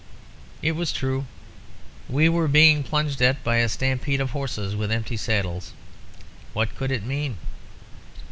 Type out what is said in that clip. "It was true. We were being plunged at by a stampede of horses with empty saddles. What could it mean?